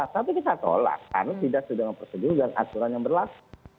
tapi kita tolak karena tidak sudah memprosedur dan aturan yang berlaku